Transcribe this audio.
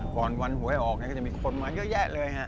วันหวยออกก็จะมีคนมาเยอะแยะเลยฮะ